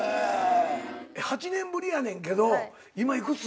８年ぶりやねんけど今幾つ？